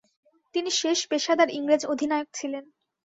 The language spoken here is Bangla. তিনি শেষ পেশাদার ইংরেজ অধিনায়ক ছিলেন।